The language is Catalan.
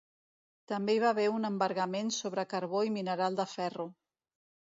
També hi va haver un embargament sobre carbó i mineral de ferro.